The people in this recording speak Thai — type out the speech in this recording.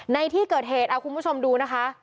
ในที่เกิดเหตุเอาคุณผู้ชมดูนะคะ